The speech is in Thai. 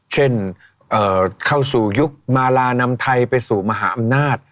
เช่นเข้าสู่ยุคมาลานำไทยไปสู่มหาอำนาจ